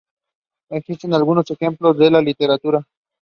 Existen algunos ejemplos en la literatura.